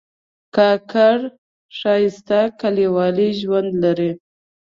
کاکړ ښایسته کلیوالي ژوند لري.